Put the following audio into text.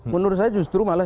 menurut saya justru malah